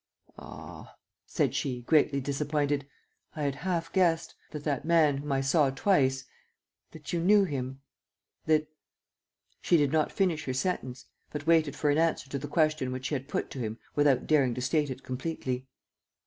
"Oh," said she, greatly disappointed. "I had half guessed ... that that man whom I saw twice ... that you knew him ... that ..." She did not finish her sentence, but waited for an answer to the question which she had put to him without daring to state it completely.